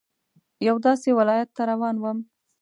یوه داسې ولايت ته روان وم.